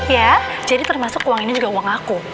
ya jadi termasuk uang ini juga uang aku